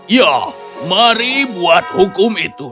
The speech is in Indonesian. ya mari buat hukum itu